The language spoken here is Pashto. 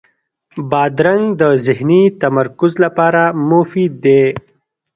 بادرنګ د ذهني تمرکز لپاره مفید دی.